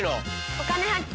「お金発見」。